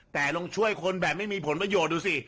แต่ลองช่วยคนแบบไม่มีผลประโยชน์ดูสิ